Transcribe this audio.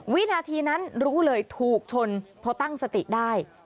วินาทีนั้นรู้เลยถูกชนพอตั้งสติได้